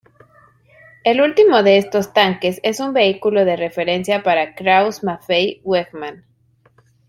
El último de estos tanques es un vehículo de referencia para Krauss-Maffei-Wegmann.